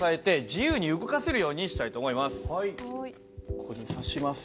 ここで刺します。